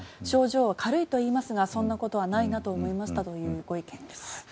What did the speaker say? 症状が軽いといいますがそんなことはないなと思いましたというご意見です。